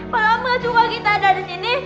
kalau om gak suka kita ada disini